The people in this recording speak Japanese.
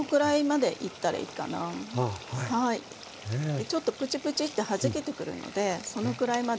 でちょっとプチプチッてはじけてくるのでそのくらいまで。